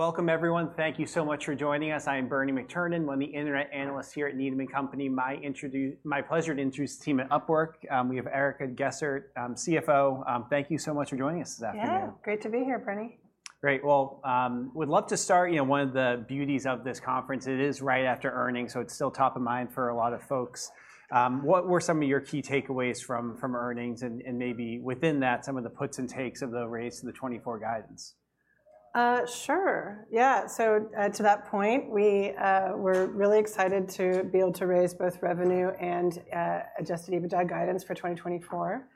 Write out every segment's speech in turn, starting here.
Welcome, everyone. Thank you so much for joining us. I am Bernie McTernan, one of the internet analysts here at Needham & Company. My pleasure to introduce the team at Upwork. We have Erica Gessert, CFO. Thank you so much for joining us this afternoon. Yeah, great to be here, Bernie. Great. Well, we'd love to start one of the beauties of this conference. It is right after earnings, so it's still top of mind for a lot of folks. What were some of your key takeaways from earnings, and maybe within that, some of the puts and takes of the raise to the 2024 guidance? Sure. Yeah. So to that point, we're really excited to be able to raise both revenue and Adjusted EBITDA guidance for 2024.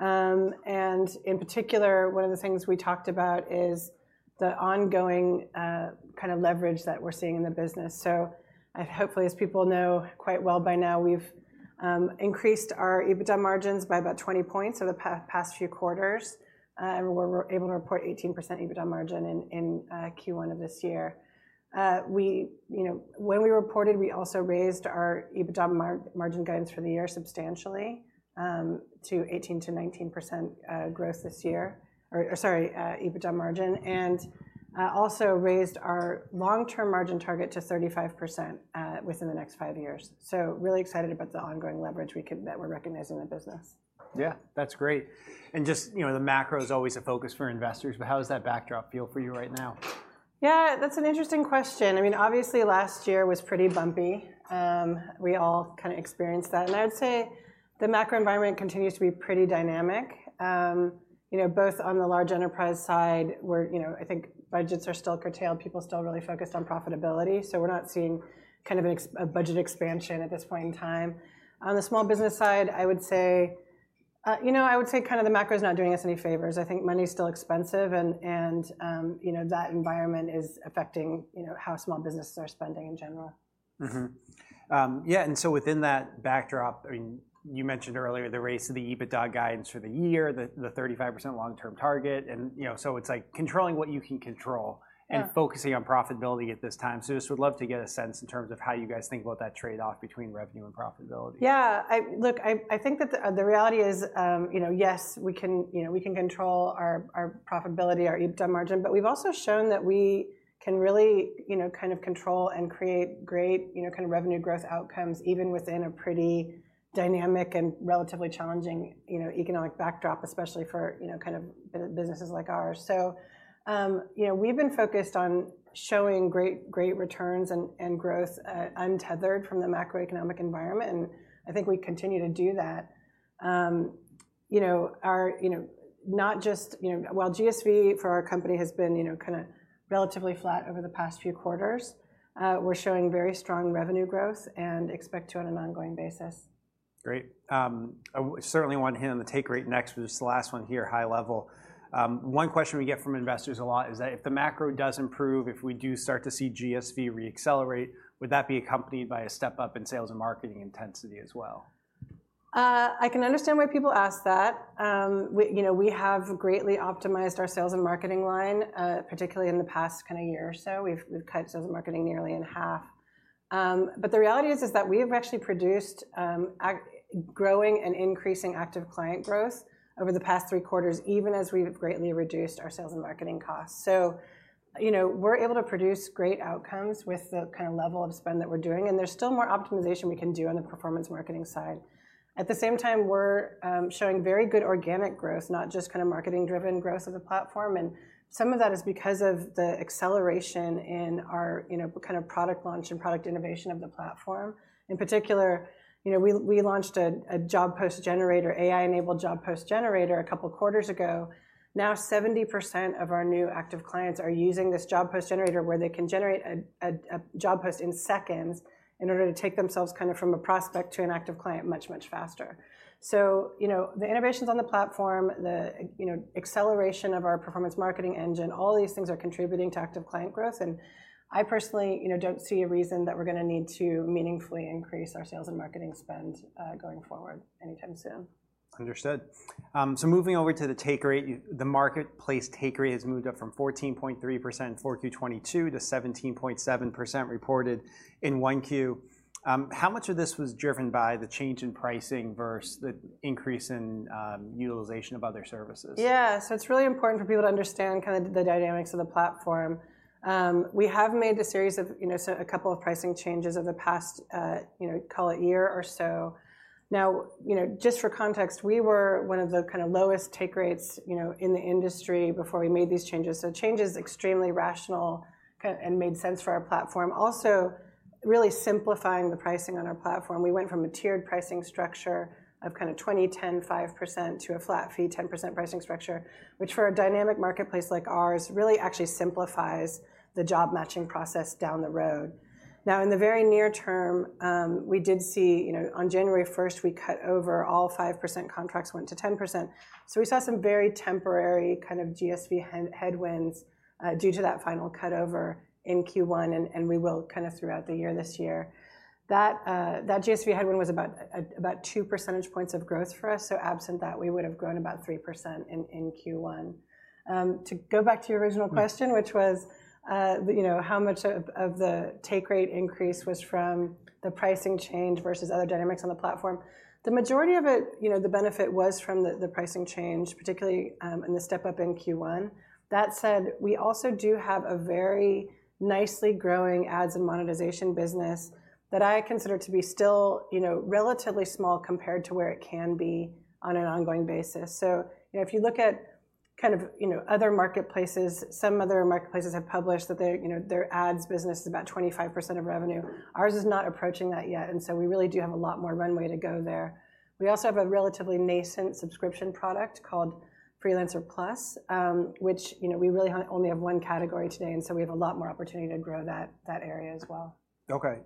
And in particular, one of the things we talked about is the ongoing leverage that we're seeing in the business. So hopefully, as people know quite well by now, we've increased our EBITDA margins by about 20 points over the past few quarters, and we were able to report 18% EBITDA margin in Q1 of this year. When we reported, we also raised our EBITDA margin guidance for the year substantially to 18%-19% growth this year or, sorry, EBITDA margin, and also raised our long-term margin target to 35% within the next five years. So really excited about the ongoing leverage that we're recognizing in the business. Yeah, that's great. Just the macro is always a focus for investors. How does that backdrop feel for you right now? Yeah, that's an interesting question. I mean, obviously, last year was pretty bumpy. We all kind of experienced that. I would say the macro environment continues to be pretty dynamic, both on the large enterprise side. I think budgets are still curtailed. People are still really focused on profitability. We're not seeing kind of a budget expansion at this point in time. On the small business side, I would say kind of the macro is not doing us any favors. I think money is still expensive, and that environment is affecting how small businesses are spending in general. Yeah. And so within that backdrop, I mean, you mentioned earlier the raise to the EBITDA guidance for the year, the 35% long-term target. And so it's like controlling what you can control and focusing on profitability at this time. So just would love to get a sense in terms of how you guys think about that trade-off between revenue and profitability. Yeah. Look, I think that the reality is, yes, we can control our profitability, our EBITDA margin. But we've also shown that we can really kind of control and create great kind of revenue growth outcomes even within a pretty dynamic and relatively challenging economic backdrop, especially for kind of businesses like ours. So we've been focused on showing great returns and growth untethered from the macroeconomic environment. And I think we continue to do that. Not just while GSV for our company has been kind of relatively flat over the past few quarters, we're showing very strong revenue growth and expect to on an ongoing basis. Great. I certainly want to hit on the take rate next, which is the last one here, high level. One question we get from investors a lot is that if the macro does improve, if we do start to see GSV reaccelerate, would that be accompanied by a step up in sales and marketing intensity as well? I can understand why people ask that. We have greatly optimized our sales and marketing line, particularly in the past kind of year or so. We've cut sales and marketing nearly in half. But the reality is that we have actually produced growing and increasing active client growth over the past three quarters, even as we've greatly reduced our sales and marketing costs. So we're able to produce great outcomes with the kind of level of spend that we're doing. And there's still more optimization we can do on the performance marketing side. At the same time, we're showing very good organic growth, not just kind of marketing-driven growth of the platform. And some of that is because of the acceleration in our kind of product launch and product innovation of the platform. In particular, we launched a Job Post Generator, AI-enabled Job Post Generator, a couple of quarters ago. Now, 70% of our new Active Clients are using this Job Post Generator, where they can generate a job post in seconds in order to take themselves kind of from a prospect to an Active Client much, much faster. So the innovations on the platform, the acceleration of our performance marketing engine, all these things are contributing to Active Client growth. And I personally don't see a reason that we're going to need to meaningfully increase our sales and marketing spend going forward anytime soon. Understood. So moving over to the take rate, the marketplace take rate has moved up from 14.3% in 4Q 2022 to 17.7% reported in 1Q. How much of this was driven by the change in pricing versus the increase in utilization of other services? Yeah. So it's really important for people to understand kind of the dynamics of the platform. We have made a series of a couple of pricing changes over the past, call it, year or so. Now, just for context, we were one of the kind of lowest take rates in the industry before we made these changes. So the change is extremely rational and made sense for our platform, also really simplifying the pricing on our platform. We went from a tiered pricing structure of kind of 20%, 10%, 5% to a flat fee, 10% pricing structure, which for a dynamic marketplace like ours really actually simplifies the job matching process down the road. Now, in the very near term, we did see on January 1st, we cut over. All 5% contracts went to 10%. So we saw some very temporary kind of GSV headwinds due to that final cutover in Q1, and we will kind of throughout the year this year. That GSV headwind was about two percentage points of growth for us. So absent that, we would have grown about 3% in Q1. To go back to your original question, which was how much of the take rate increase was from the pricing change versus other dynamics on the platform, the majority of it, the benefit was from the pricing change, particularly in the step up in Q1. That said, we also do have a very nicely growing ads and monetization business that I consider to be still relatively small compared to where it can be on an ongoing basis. So if you look at kind of other marketplaces, some other marketplaces have published that their ads business is about 25% of revenue. Ours is not approaching that yet. And so we really do have a lot more runway to go there. We also have a relatively nascent subscription product called Freelancer Plus, which we really only have one category today. And so we have a lot more opportunity to grow that area as well. OK.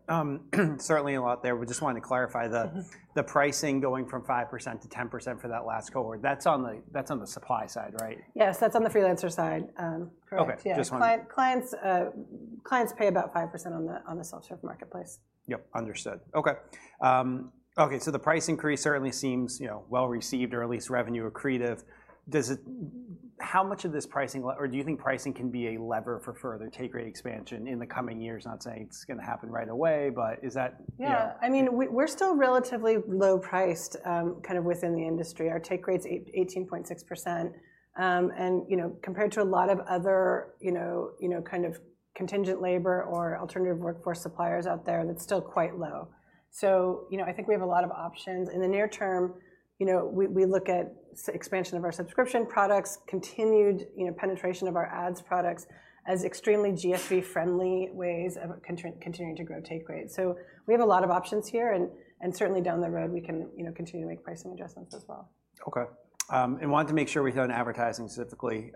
Certainly a lot there. We just wanted to clarify the pricing going from 5%-10% for that last cohort. That's on the supply side, right? Yes, that's on the freelancer side. Correct. Yeah. Clients pay about 5% on the self-serve marketplace. Yep. Understood. OK. So the price increase certainly seems well-received or at least revenue accretive. How much of this pricing or do you think pricing can be a lever for further take rate expansion in the coming years? Not saying it's going to happen right away, but is that? Yeah. I mean, we're still relatively low-priced kind of within the industry. Our take rate is 18.6%. And compared to a lot of other kind of contingent labor or alternative workforce suppliers out there, that's still quite low. So I think we have a lot of options. In the near term, we look at expansion of our subscription products, continued penetration of our ads products as extremely GSV-friendly ways of continuing to grow take rate. So we have a lot of options here. And certainly, down the road, we can continue to make pricing adjustments as well. OK. And wanted to make sure we hit on advertising specifically.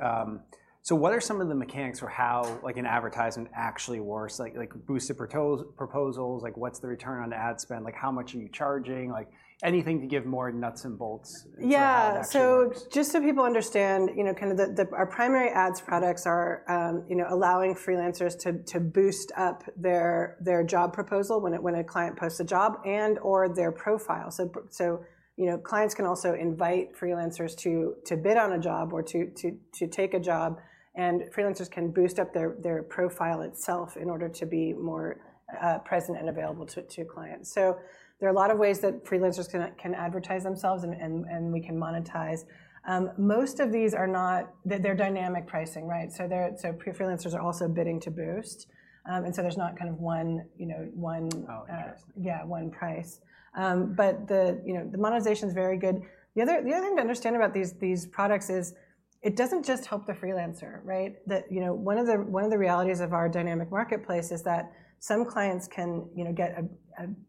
So what are some of the mechanics for how an advertisement actually works, like boosted proposals? What's the return on ad spend? How much are you charging? Anything to give more nuts and bolts? Yeah. So just so people understand, kind of our primary ads products are allowing freelancers to boost up their job proposal when a client posts a job and/or their profile. So clients can also invite freelancers to bid on a job or to take a job. And freelancers can boost up their profile itself in order to be more present and available to clients. So there are a lot of ways that freelancers can advertise themselves, and we can monetize. Most of these are not; they're dynamic pricing, right? So freelancers are also bidding to boost. And so there's not kind of one. Oh, interesting. Yeah, one price. But the monetization is very good. The other thing to understand about these products is it doesn't just help the freelancer, right? One of the realities of our dynamic marketplace is that some clients can get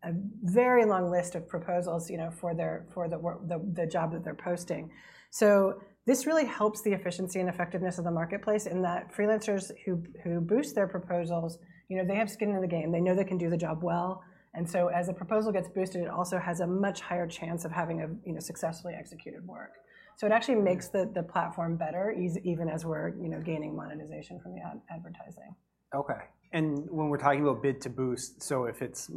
a very long list of proposals for the job that they're posting. So this really helps the efficiency and effectiveness of the marketplace in that freelancers who boost their proposals, they have skin in the game. They know they can do the job well. And so as a proposal gets boosted, it also has a much higher chance of having successfully executed work. So it actually makes the platform better, even as we're gaining monetization from the advertising. OK. When we're talking about bid to boost, so if it's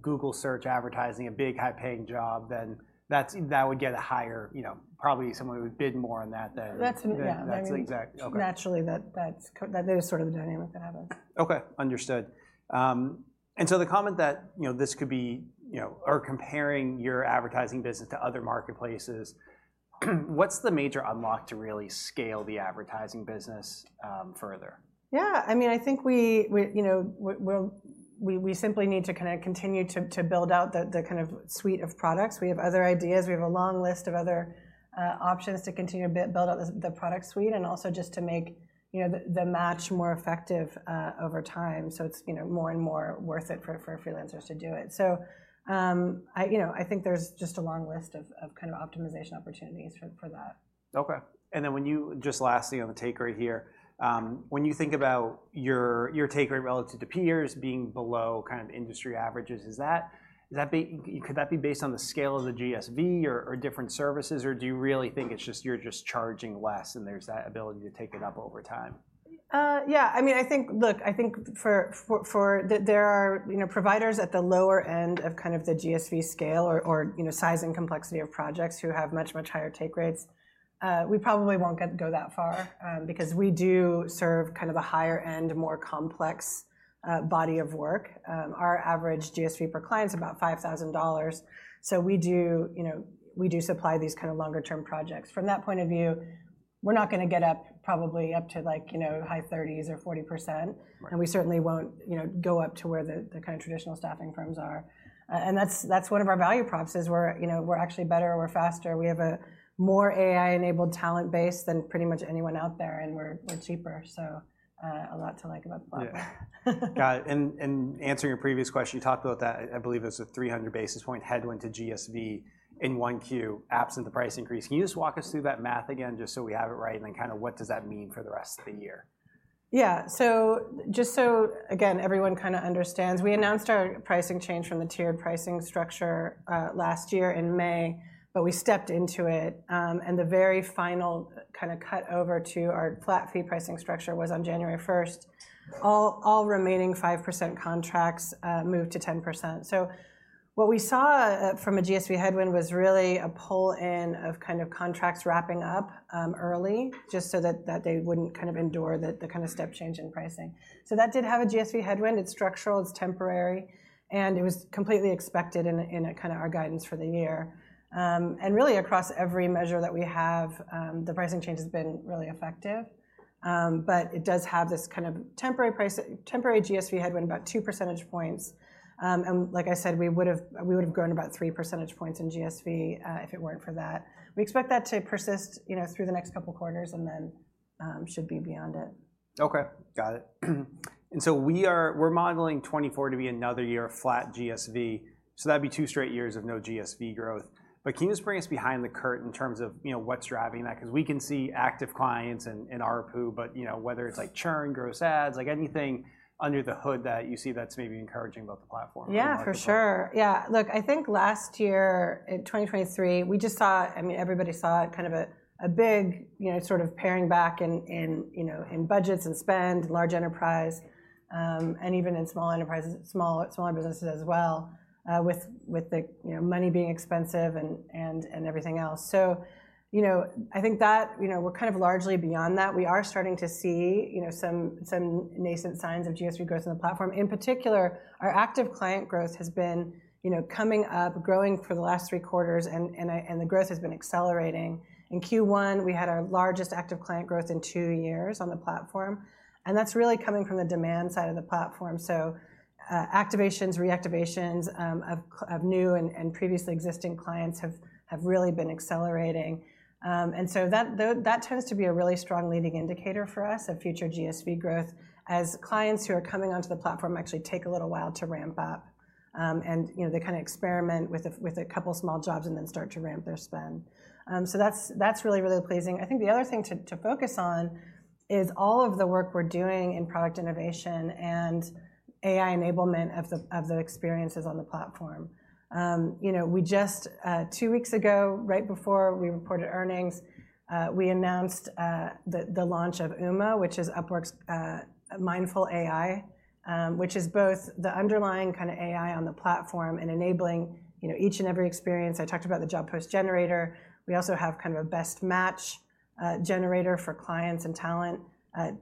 Google Search advertising, a big high-paying job, then that would get a higher probably someone would bid more on that than. Yeah. Naturally, that is sort of the dynamic that happens. OK. Understood. And so the comment that this could be or comparing your advertising business to other marketplaces, what's the major unlock to really scale the advertising business further? Yeah. I mean, I think we simply need to kind of continue to build out the kind of suite of products. We have other ideas. We have a long list of other options to continue to build out the product suite and also just to make the match more effective over time. So it's more and more worth it for freelancers to do it. So I think there's just a long list of kind of optimization opportunities for that. OK. And then, just lastly on the take rate here, when you think about your take rate relative to peers being below kind of industry averages, is that, could that be based on the scale of the GSV or different services? Or do you really think it's just you're charging less, and there's that ability to take it up over time? Yeah. I mean, look, I think there are providers at the lower end of kind of the GSV scale or size and complexity of projects who have much, much higher take rates. We probably won't go that far because we do serve kind of a higher-end, more complex body of work. Our average GSV per client is about $5,000. So we do supply these kind of longer-term projects. From that point of view, we're not going to get up probably up to high 30s or 40%. And we certainly won't go up to where the kind of traditional staffing firms are. And that's one of our value props is we're actually better. We're faster. We have a more AI-enabled talent base than pretty much anyone out there. And we're cheaper. So a lot to like about the platform. Yeah. Got it. And answering your previous question, you talked about that, I believe, as a 300 basis points headwind to GSV in 1Q absent the price increase. Can you just walk us through that math again, just so we have it right? And then kind of what does that mean for the rest of the year? Yeah. So just so, again, everyone kind of understands, we announced our pricing change from the tiered pricing structure last year in May. But we stepped into it. And the very final kind of cut over to our flat fee pricing structure was on January 1st. All remaining 5% contracts moved to 10%. So what we saw from a GSV headwind was really a pull-in of kind of contracts wrapping up early just so that they wouldn't kind of endure the kind of step change in pricing. So that did have a GSV headwind. It's structural. It's temporary. And it was completely expected in kind of our guidance for the year. And really, across every measure that we have, the pricing change has been really effective. But it does have this kind of temporary GSV headwind about two percentage points. Like I said, we would have grown about three percentage points in GSV if it weren't for that. We expect that to persist through the next couple of quarters and then should be beyond it. OK. Got it. And so we're modeling 2024 to be another year of flat GSV. So that'd be two straight years of no GSV growth. But can you just bring us behind the curtain in terms of what's driving that? Because we can see active clients in our pool. But whether it's churn, gross ads, anything under the hood that you see that's maybe encouraging about the platform. Yeah, for sure. Yeah. Look, I think last year, in 2023, we just saw, I mean, everybody saw kind of a big sort of paring back in budgets and spend, large enterprise, and even in smaller businesses as well, with the money being expensive and everything else. So I think that we're kind of largely beyond that. We are starting to see some nascent signs of GSV growth on the platform. In particular, our active client growth has been coming up, growing for the last three quarters. And the growth has been accelerating. In Q1, we had our largest active client growth in two years on the platform. And that's really coming from the demand side of the platform. So activations, reactivations of new and previously existing clients have really been accelerating. And so that tends to be a really strong leading indicator for us of future GSV growth as clients who are coming onto the platform actually take a little while to ramp up. And they kind of experiment with a couple of small jobs and then start to ramp their spend. So that's really, really pleasing. I think the other thing to focus on is all of the work we're doing in product innovation and AI enablement of the experiences on the platform. Two weeks ago, right before we reported earnings, we announced the launch of Uma, which is Upwork's Mindful AI, which is both the underlying kind of AI on the platform and enabling each and every experience. I talked about the Job Post Generator. We also have kind of a Best Match generator for clients and talent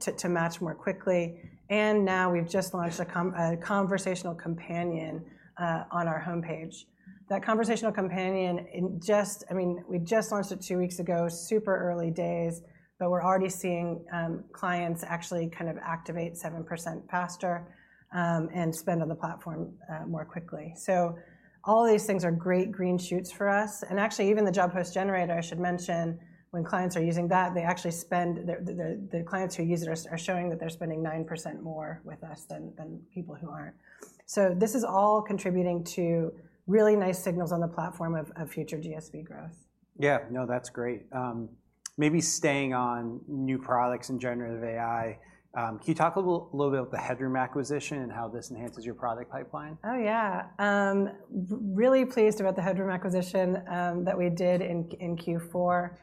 to match more quickly. And now we've just launched a conversational companion on our home page. That conversational companion, I mean, we just launched it two weeks ago, super early days. But we're already seeing clients actually kind of activate 7% faster and spend on the platform more quickly. So all of these things are great green shoots for us. And actually, even the Job Post Generator, I should mention, when clients are using that, the clients who use it are showing that they're spending 9% more with us than people who aren't. So this is all contributing to really nice signals on the platform of future GSV growth. Yeah. No, that's great. Maybe staying on new products and generative AI, can you talk a little bit about the Headroom acquisition and how this enhances your product pipeline? Oh, yeah. Really pleased about the Headroom acquisition that we did in Q4.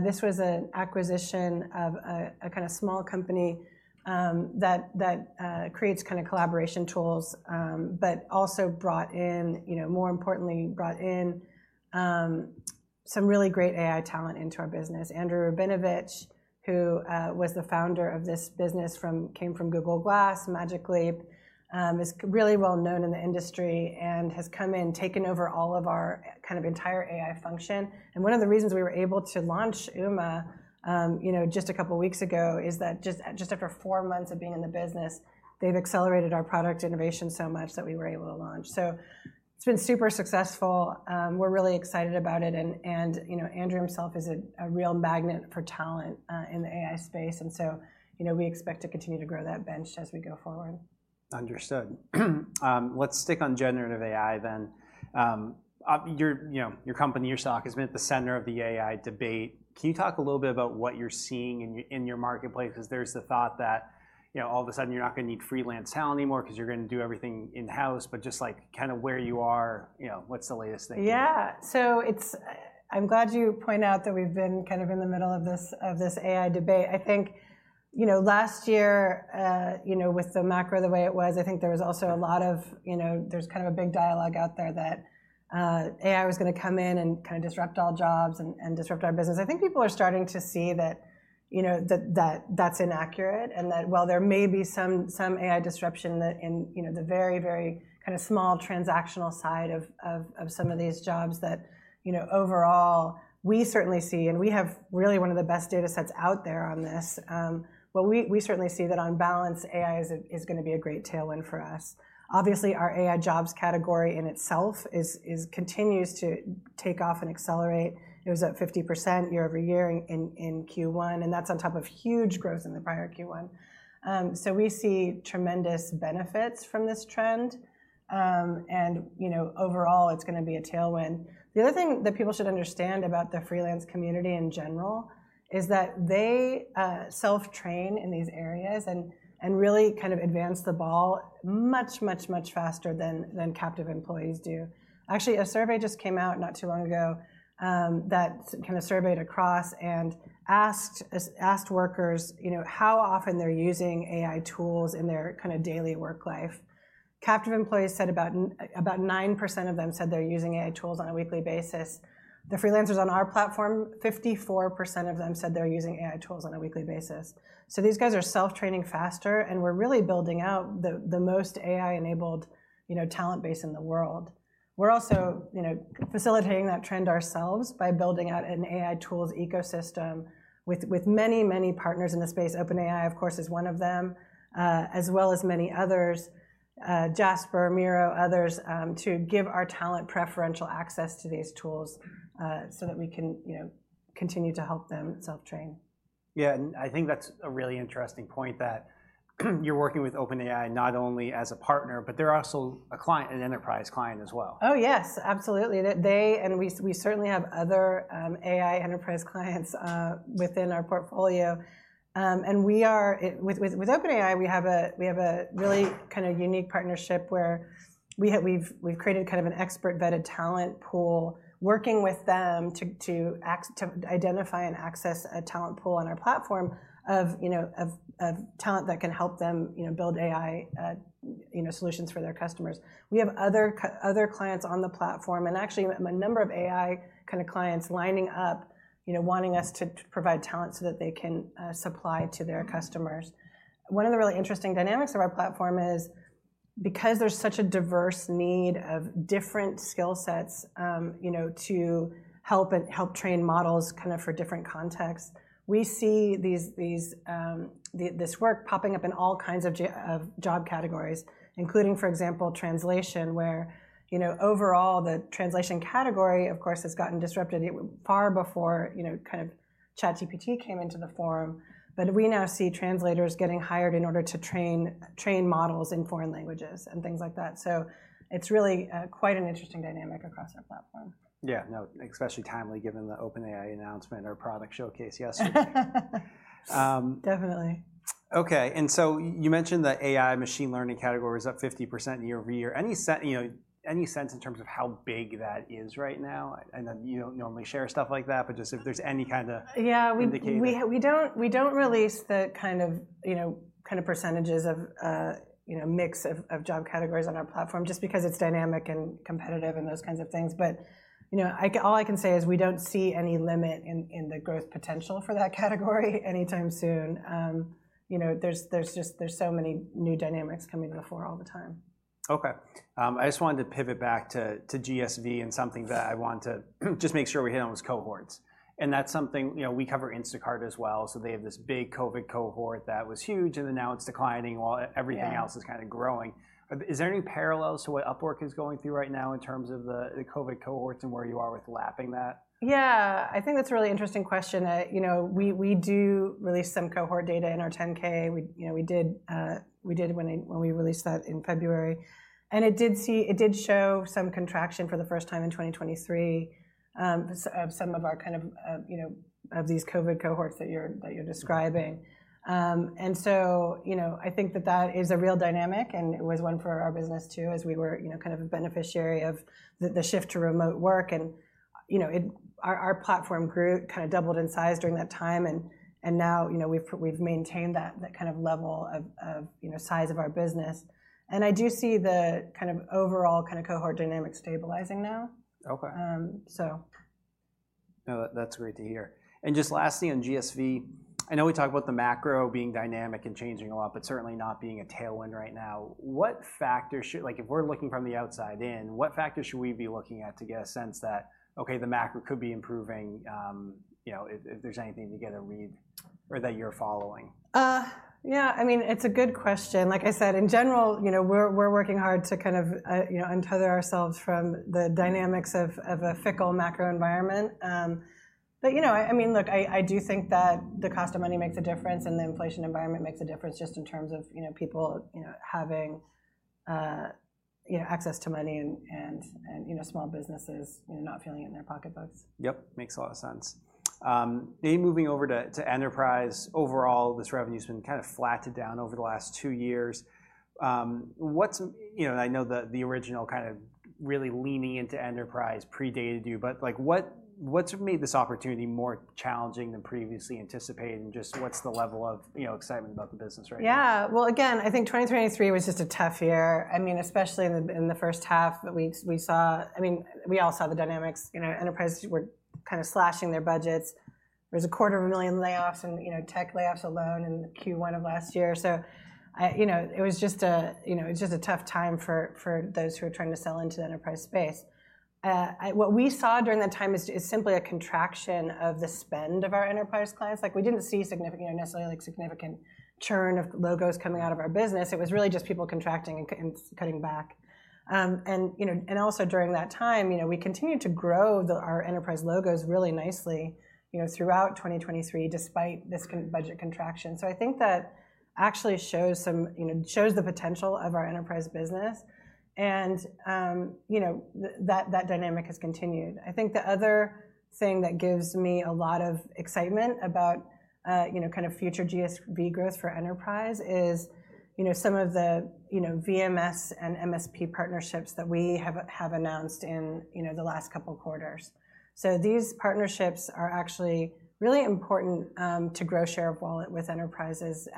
This was an acquisition of a kind of small company that creates kind of collaboration tools but also brought in, more importantly, brought in some really great AI talent into our business, Andrew Rabinovich, who was the founder of this business, came from Google Glass, Magic Leap, is really well known in the industry and has come in, taken over all of our kind of entire AI function. And one of the reasons we were able to launch Uma just a couple of weeks ago is that just after four months of being in the business, they've accelerated our product innovation so much that we were able to launch. So it's been super successful. We're really excited about it. And Andrew himself is a real magnet for talent in the AI space. We expect to continue to grow that bench as we go forward. Understood. Let's stick on generative AI then. Your company, your stock, has been at the center of the AI debate. Can you talk a little bit about what you're seeing in your marketplace? Because there's the thought that all of a sudden, you're not going to need freelance talent anymore because you're going to do everything in-house. But just like kind of where you are, what's the latest thing? Yeah. So I'm glad you point out that we've been kind of in the middle of this AI debate. I think last year, with the macro the way it was, I think there was also a lot of, there's kind of a big dialogue out there that AI was going to come in and kind of disrupt all jobs and disrupt our business. I think people are starting to see that that's inaccurate and that, well, there may be some AI disruption in the very, very kind of small transactional side of some of these jobs that overall, we certainly see and we have really one of the best data sets out there on this. But we certainly see that, on balance, AI is going to be a great tailwind for us. Obviously, our AI jobs category in itself continues to take off and accelerate. It was at 50% year-over-year in Q1. That's on top of huge growth in the prior Q1. We see tremendous benefits from this trend. Overall, it's going to be a tailwind. The other thing that people should understand about the freelance community in general is that they self-train in these areas and really kind of advance the ball much, much, much faster than captive employees do. Actually, a survey just came out not too long ago that kind of surveyed across and asked workers how often they're using AI tools in their kind of daily work life. Captive employees said about 9% of them said they're using AI tools on a weekly basis. The freelancers on our platform, 54% of them said they're using AI tools on a weekly basis. So these guys are self-training faster. We're really building out the most AI-enabled talent base in the world. We're also facilitating that trend ourselves by building out an AI tools ecosystem with many, many partners in the space. OpenAI, of course, is one of them, as well as many others, Jasper, Miro, others, to give our talent preferential access to these tools so that we can continue to help them self-train. Yeah. And I think that's a really interesting point that you're working with OpenAI not only as a partner, but they're also an enterprise client as well. Oh, yes. Absolutely. And we certainly have other AI enterprise clients within our portfolio. And with OpenAI, we have a really kind of unique partnership where we've created kind of an expert vetted talent pool, working with them to identify and access a talent pool on our platform of talent that can help them build AI solutions for their customers. We have other clients on the platform and actually a number of AI kind of clients lining up, wanting us to provide talent so that they can supply to their customers. One of the really interesting dynamics of our platform is, because there's such a diverse need of different skill sets to help train models kind of for different contexts, we see this work popping up in all kinds of job categories, including, for example, translation, where overall, the translation category, of course, has gotten disrupted far before kind of ChatGPT came into the forum. But we now see translators getting hired in order to train models in foreign languages and things like that. So it's really quite an interesting dynamic across our platform. Yeah. No, especially timely, given the OpenAI announcement, our product showcase yesterday. Definitely. OK. And so you mentioned the AI machine learning category is up 50% year-over-year. Any sense in terms of how big that is right now? I know you don't normally share stuff like that. But just if there's any kind of indicator. Yeah. We don't release the kind of percentages of mix of job categories on our platform just because it's dynamic and competitive and those kinds of things. But all I can say is we don't see any limit in the growth potential for that category anytime soon. There's so many new dynamics coming to the fore all the time. OK. I just wanted to pivot back to GSV and something that I want to just make sure we hit on was cohorts. That's something we cover Instacart as well. So they have this big COVID cohort that was huge. Then now it's declining while everything else is kind of growing. Is there any parallels to what Upwork is going through right now in terms of the COVID cohorts and where you are with lapping that? Yeah. I think that's a really interesting question. We do release some cohort data in our 10-K. We did when we released that in February. And it did show some contraction for the first time in 2023 of some of our kind of these COVID cohorts that you're describing. And so I think that that is a real dynamic. And it was one for our business too as we were kind of a beneficiary of the shift to remote work. And our platform kind of doubled in size during that time. And now we've maintained that kind of level of size of our business. And I do see the kind of overall kind of cohort dynamic stabilizing now. OK. No, that's great to hear. And just lastly on GSV, I know we talked about the macro being dynamic and changing a lot but certainly not being a tailwind right now. If we're looking from the outside in, what factors should we be looking at to get a sense that, OK, the macro could be improving if there's anything you get a read or that you're following? Yeah. I mean, it's a good question. Like I said, in general, we're working hard to kind of untether ourselves from the dynamics of a fickle macro environment. But I mean, look, I do think that the cost of money makes a difference. And the inflation environment makes a difference just in terms of people having access to money and small businesses not feeling it in their pocketbooks. Yep. Makes a lot of sense. Now you're moving over to enterprise. Overall, this revenue has been kind of flattened down over the last two years. And I know the original kind of really leaning into enterprise predated you. But what's made this opportunity more challenging than previously anticipated? And just what's the level of excitement about the business right now? Yeah. Well, again, I think 2023 was just a tough year, I mean, especially in the first half that we saw. I mean, we all saw the dynamics. Enterprises were kind of slashing their budgets. There was 250,000 layoffs and tech layoffs alone in Q1 of last year. So it was just a tough time for those who are trying to sell into the enterprise space. What we saw during that time is simply a contraction of the spend of our enterprise clients. We didn't see necessarily a significant churn of logos coming out of our business. It was really just people contracting and cutting back. And also, during that time, we continued to grow our enterprise logos really nicely throughout 2023 despite this budget contraction. So I think that actually shows the potential of our enterprise business. And that dynamic has continued. I think the other thing that gives me a lot of excitement about kind of future GSV growth for enterprise is some of the VMS and MSP partnerships that we have announced in the last couple of quarters. So these partnerships are actually really important to grow share of wallet with enterprises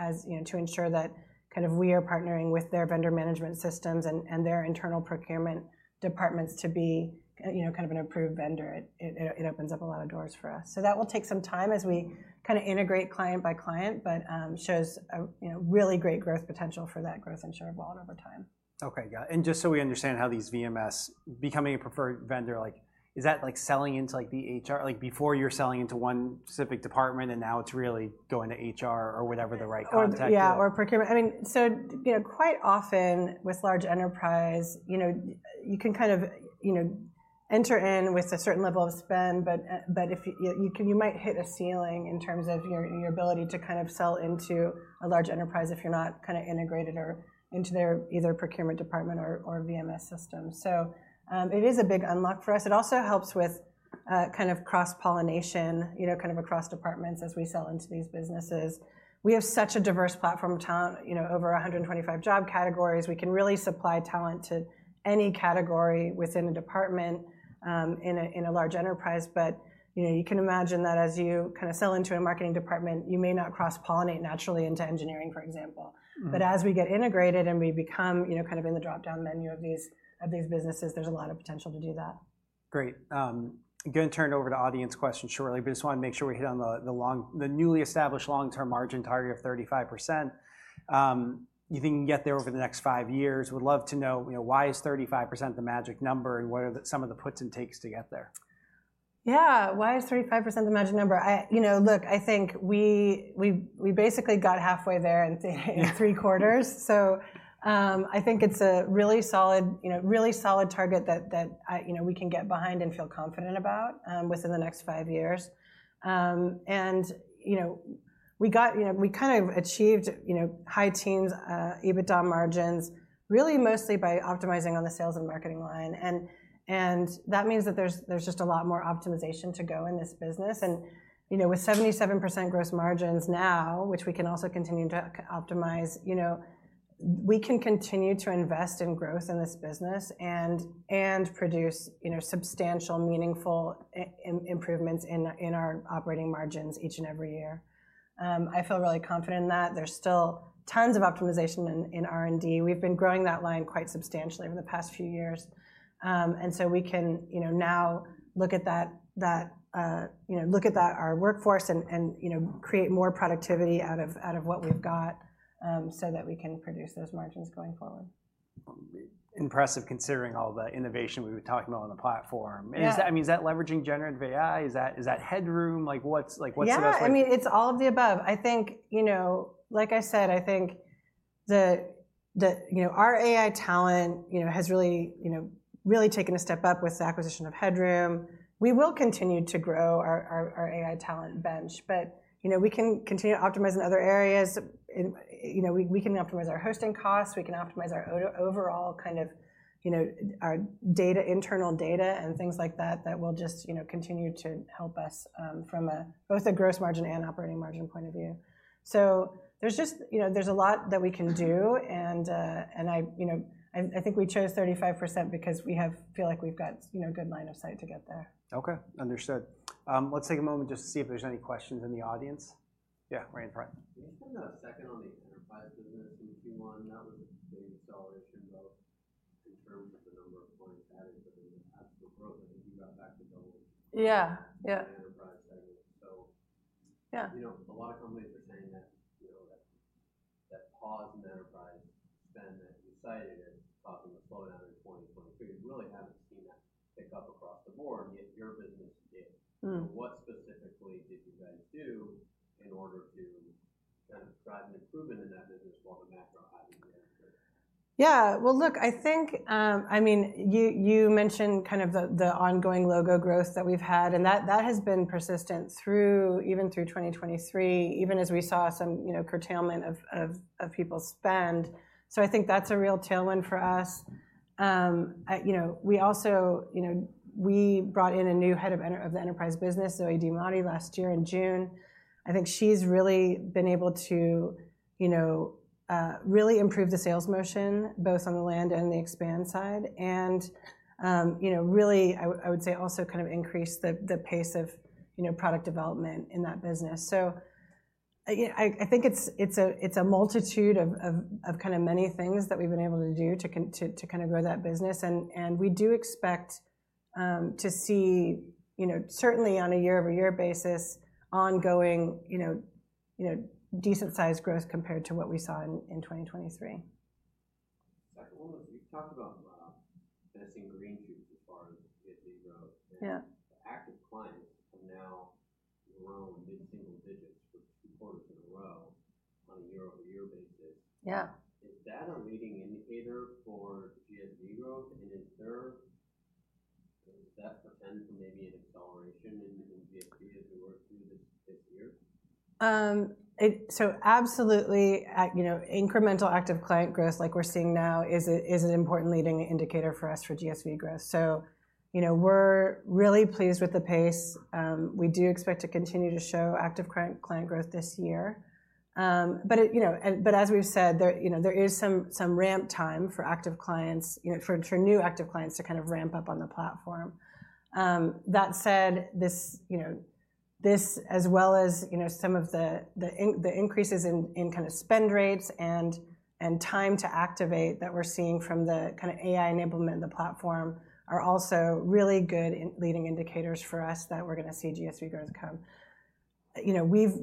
to ensure that kind of we are partnering with their vendor management systems and their internal procurement departments to be kind of an approved vendor. It opens up a lot of doors for us. So that will take some time as we kind of integrate client by client but shows really great growth potential for that growth in share of wallet over time. OK. Got it. And just so we understand how these VMS becoming a preferred vendor, is that selling into the HR? Before, you were selling into one specific department. And now it's really going to HR or whatever the right context is. Oh, yeah. Or procurement. I mean, so quite often, with large enterprise, you can kind of enter in with a certain level of spend. But you might hit a ceiling in terms of your ability to kind of sell into a large enterprise if you're not kind of integrated into their either procurement department or VMS system. So it is a big unlock for us. It also helps with kind of cross-pollination kind of across departments as we sell into these businesses. We have such a diverse platform of talent, over 125 job categories. We can really supply talent to any category within a department in a large enterprise. But you can imagine that, as you kind of sell into a marketing department, you may not cross-pollinate naturally into engineering, for example. But as we get integrated and we become kind of in the drop-down menu of these businesses, there's a lot of potential to do that. Great. Going to turn it over to audience questions shortly. But I just want to make sure we hit on the newly established long-term margin target of 35%. You think you can get there over the next five years? Would love to know, why is 35% the magic number? And what are some of the puts and takes to get there? Yeah. Why is 35% the magic number? Look, I think we basically got halfway there in three quarters. So I think it's a really solid target that we can get behind and feel confident about within the next five years. And we kind of achieved high teens EBITDA margins, really mostly by optimizing on the sales and marketing line. And that means that there's just a lot more optimization to go in this business. And with 77% gross margins now, which we can also continue to optimize, we can continue to invest in growth in this business and produce substantial, meaningful improvements in our operating margins each and every year. I feel really confident in that. There's still tons of optimization in R&D. We've been growing that line quite substantially over the past few years. And so we can now look at that, look at our workforce, and create more productivity out of what we've got so that we can produce those margins going forward. Impressive considering all the innovation we were talking about on the platform. I mean, is that leveraging Generative AI? Is that Headroom? What's the best way to. Yeah. I mean, it's all of the above. Like I said, I think our AI talent has really taken a step up with the acquisition of Headroom. We will continue to grow our AI talent bench. But we can continue to optimize in other areas. We can optimize our hosting costs. We can optimize our overall kind of our internal data and things like that that will just continue to help us from both a gross margin and operating margin point of view. So there's a lot that we can do. And I think we chose 35% because we feel like we've got a good line of sight to get there. OK. Understood. Let's take a moment just to see if there's any questions in the audience. Yeah. Brian Pitz. Can you spend a second on the enterprise business in Q1? That was a big acceleration both in terms of the number of clients added but in the actual growth. So a lot of companies are saying that pause in enterprise spend that you cited is causing a slowdown in 2023. We really haven't seen that pick up across the board. Yet your business did. What specifically did you guys do in order to kind of drive an improvement in that business while the macro hadn't yet improved? Yeah. Well, look, I think I mean, you mentioned kind of the ongoing logo growth that we've had. And that has been persistent even through 2023, even as we saw some curtailment of people's spend. So I think that's a real tailwind for us. We brought in a new head of the enterprise business, Zoë Diamadi, last year in June. I think she's really been able to really improve the sales motion both on the land and the expand side and really, I would say, also kind of increase the pace of product development in that business. So I think it's a multitude of kind of many things that we've been able to do to kind of grow that business. And we do expect to see, certainly on a year-over-year basis, ongoing decent-sized growth compared to what we saw in 2023. One of the things you've talked about a lot is investing green shoots as far as GSV growth. And the active clients have now grown mid-single digits for two quarters in a row on a year-over-year basis. Is that a leading indicator for GSV growth? And does that portend to maybe an acceleration in GSV as we work through this year? So absolutely. Incremental active client growth like we're seeing now is an important leading indicator for us for GSV growth. So we're really pleased with the pace. We do expect to continue to show active client growth this year. But as we've said, there is some ramp time for active clients for new active clients to kind of ramp up on the platform. That said, this, as well as some of the increases in kind of spend rates and time to activate that we're seeing from the kind of AI enablement of the platform, are also really good leading indicators for us that we're going to see GSV growth come.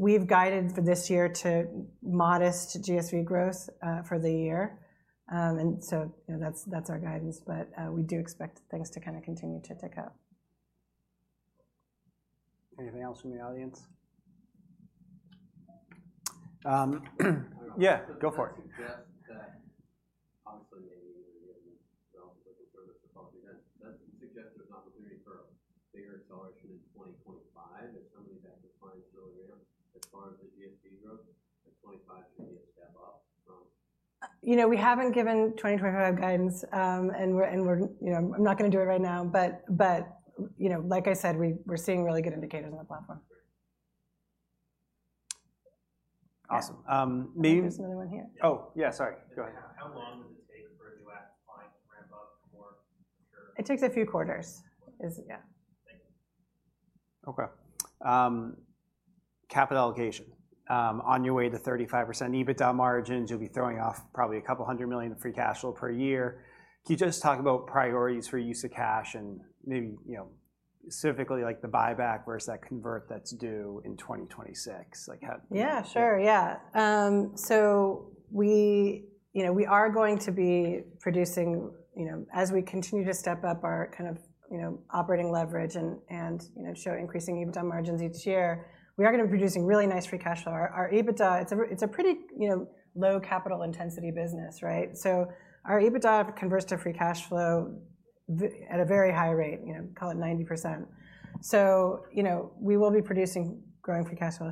We've guided for this year to modest GSV growth for the year. And so that's our guidance. But we do expect things to kind of continue to tick up. Anything else from the audience? Yeah. Go for it. That suggests there's an opportunity for a bigger acceleration in 2025. If some of these active clients really ramp as far as the GSV growth, then 2025 should be a step up from. We haven't given 2025 guidance. I'm not going to do it right now. Like I said, we're seeing really good indicators on the platform. Awesome. Maybe. There's another one here. Oh, yeah. Sorry. Go ahead. It takes a few quarters. Yeah. Thank you. OK. Capital allocation. On your way to 35% EBITDA margins, you'll be throwing off probably $200 million in free cash flow per year. Can you just talk about priorities for use of cash and maybe specifically the buyback versus that convert that's due in 2026? Yeah. Sure. Yeah. So we are going to be producing as we continue to step up our kind of operating leverage and show increasing EBITDA margins each year, we are going to be producing really nice free cash flow. Our EBITDA it's a pretty low capital intensity business, right? So our EBITDA converts to free cash flow at a very high rate, call it 90%. So we will be producing growing free cash flow.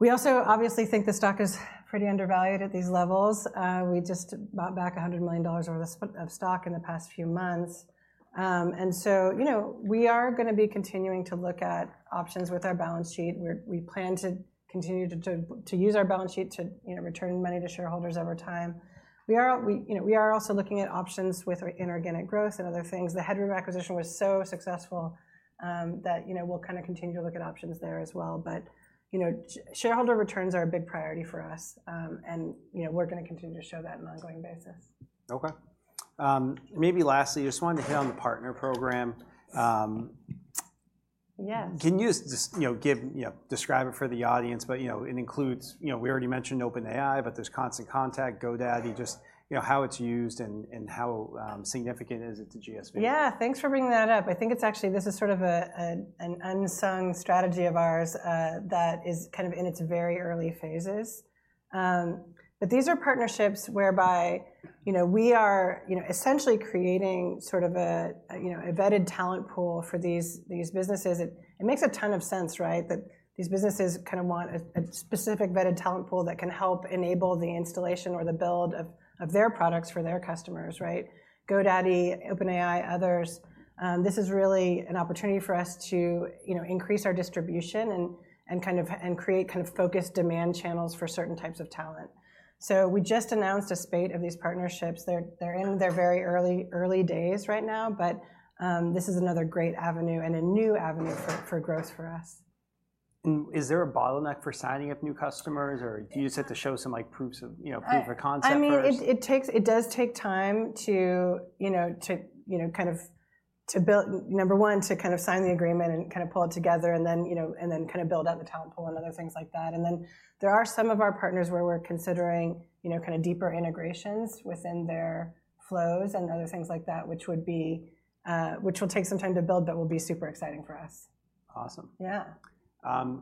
We also obviously think the stock is pretty undervalued at these levels. We just bought back $100 million worth of stock in the past few months. And so we are going to be continuing to look at options with our balance sheet. We plan to continue to use our balance sheet to return money to shareholders over time. We are also looking at options with inorganic growth and other things. The Headroom acquisition was so successful that we'll kind of continue to look at options there as well. But shareholder returns are a big priority for us. And we're going to continue to show that on an ongoing basis. OK. Maybe lastly, I just wanted to hit on the partner program. Yes. Can you just describe it for the audience? But it includes, we already mentioned, OpenAI. But there's Constant Contact, GoDaddy, just how it's used and how significant is it to GSV? Yeah. Thanks for bringing that up. I think it's actually this is sort of an unsung strategy of ours that is kind of in its very early phases. But these are partnerships whereby we are essentially creating sort of a vetted talent pool for these businesses. It makes a ton of sense, right, that these businesses kind of want a specific vetted talent pool that can help enable the installation or the build of their products for their customers, right? GoDaddy, OpenAI, others, this is really an opportunity for us to increase our distribution and create kind of focused demand channels for certain types of talent. So we just announced a spate of these partnerships. They're in their very early days right now. But this is another great avenue and a new avenue for growth for us. Is there a bottleneck for signing up new customers? Or do you just have to show some proof of concept first? I mean, it does take time to kind of build number one, to kind of sign the agreement and kind of pull it together and then kind of build out the talent pool and other things like that. And then there are some of our partners where we're considering kind of deeper integrations within their flows and other things like that, which will take some time to build but will be super exciting for us. Awesome. Yeah.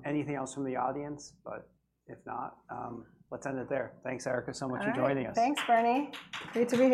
Anything else from the audience? But if not, let's end it there. Thanks, Erica, so much for joining us. All right. Thanks, Bernie. Great to be here.